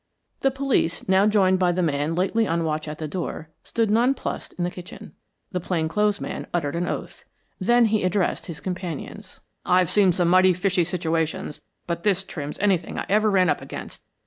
The police, now joined by the man lately on watch at the door, stood nonplussed in the kitchen. The plain clothes man uttered an oath. Then he addressed his companions. "I've seen some mighty fishy situations, but this trims anything I ever ran up against.